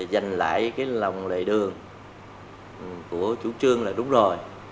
dành lại cái lòng lệ đường của chú trương là đúng rồi